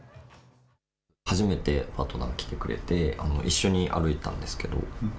初めてパートナーが来てくれて、一緒に歩いたんですけど。